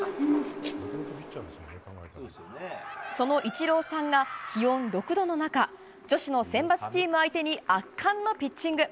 そのイチローさんが気温６度の中女子の選抜チーム相手に圧巻のピッチング。